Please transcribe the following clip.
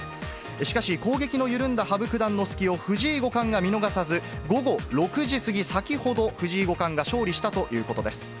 しかし、攻撃の緩んだ羽生九段の隙を藤井五冠が見逃さず、午後６時過ぎ、先ほど、藤井五冠が勝利したということです。